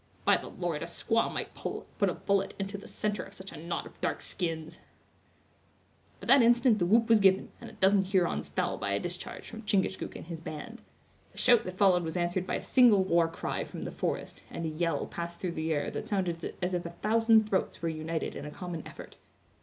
By the Lord, a squaw might put a bullet into the center of such a knot of dark skins!" At that instant the whoop was given, and a dozen Hurons fell by a discharge from Chingachgook and his band. The shout that followed was answered by a single war cry from the forest, and a yell passed through the air that sounded as if a thousand throats were united in a common effort.